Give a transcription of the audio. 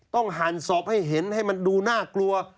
หั่นสอบให้เห็นให้มันดูน่ากลัว